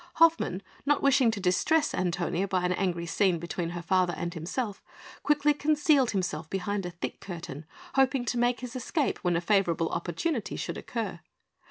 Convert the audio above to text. Hoffmann, not wishing to distress Antonia by an angry scene between her father and himself, quickly concealed himself behind a thick curtain, hoping to make his escape when a favourable opportunity should occur.